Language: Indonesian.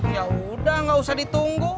yaudah gak usah ditunggu